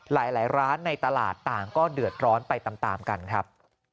หลายร้านในตลาดต่างก็เดือดร้อนไปตามกันครับ